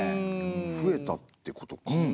増えたってことか。